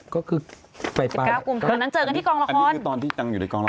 ก็คือ๑๙กุมพาอันนั้นเจอกันที่กองละคร